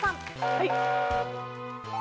はい。